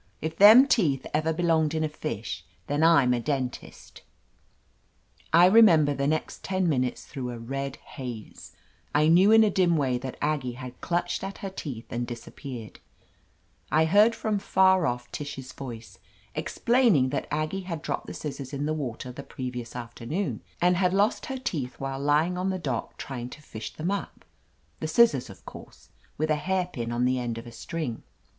If them teeth ever belonged in a fish, then I'm a dentist." 292 OF LETITIA CARBERRY I remember the next ten minutes through a red haze ; I knew in a dim way that Aggie had clutched at her teeth and disappeared ; I heard from far off Tish's voice, explaining that Ag gie had dropped the scissors in the water the previous afternoon, and had lost her teeth while lying on the dock trying to fish them up — ^the scissors, of course — ^with a hairpin on the end of a string.